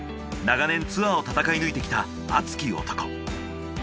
長年ツアーを戦い抜いてきた熱き男。